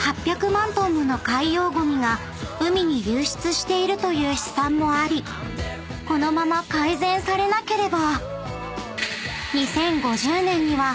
［しているという試算もありこのまま改善されなければ］